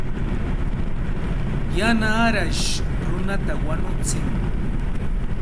Yana arash runata wañutsin.